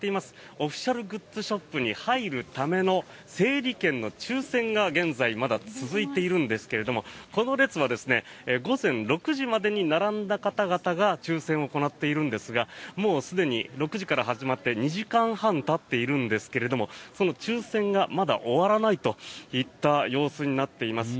オフィシャルグッズショップに入るための整理券の抽選が、現在まだ続いているんですけれどもこの列は午前６時までに並んだ方々が抽選を行っているんですがすでに６時から始まって２時間半たっているんですがその抽選がまだ終わらないといった様子になっています。